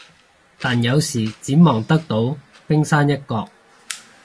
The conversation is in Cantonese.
但有時只望得到冰山一角